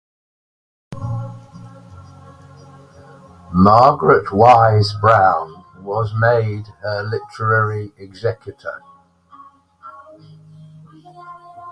Margaret Wise Brown was made her literary executor.